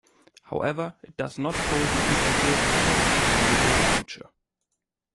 However, it does not pose an impact risk for the foreseable future.